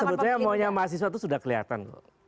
sebetulnya maunya mahasiswa itu sudah kelihatan